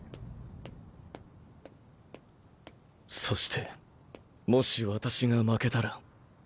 そしてもし私が負けたら。